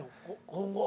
今後。